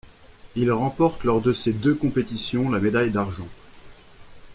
Il remporte lors de ces deux compétitions la médaille d'argent.